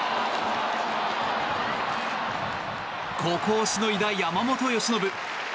ここをしのいだ山本由伸。